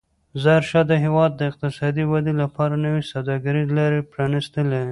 ظاهرشاه د هېواد د اقتصادي ودې لپاره نوې سوداګریزې لارې پرانستلې.